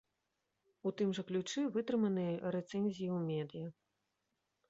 У тым жа ключы вытрыманыя рэцэнзіі ў медыя.